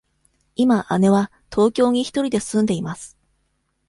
今姉は東京に一人で住んでいます。